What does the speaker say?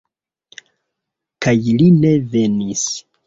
Kaj li ne venis!